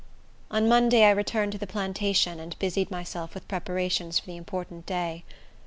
On Monday I returned to the plantation, and busied myself with preparations for the important day.